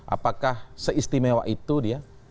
apakah seistimewa itu dia